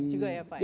baik juga ya pak